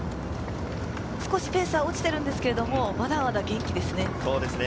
少しペースは落ちていますが、まだまだ元気です。